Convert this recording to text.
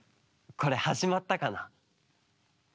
これはじまったかな？